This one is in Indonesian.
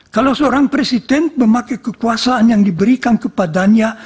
kalau seorang presiden memakai kekuasaan yang diberikan kepadanya